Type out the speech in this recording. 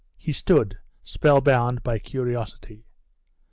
He stood, spellbound by curiosity.